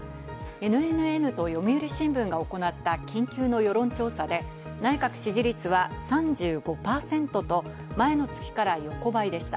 ＮＮＮと読売新聞が行った緊急の世論調査で、内閣支持率は３５％と前の月から横ばいでした。